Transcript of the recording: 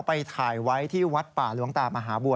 ไปถ่ายไว้ที่วัดป่าหลวงตามหาบัว